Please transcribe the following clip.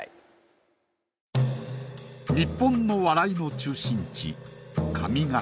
日本の笑いの中心地上方。